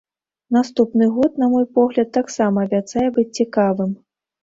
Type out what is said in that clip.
Наступны год, на мой погляд, таксама абяцае быць цікавым.